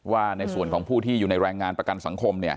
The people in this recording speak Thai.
ว่าในส่วนของผู้ที่อยู่ในแรงงานประกันสังคม